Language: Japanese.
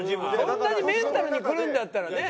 そんなにメンタルにくるんだったらね。